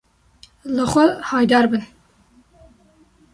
Li xwe haydarbin.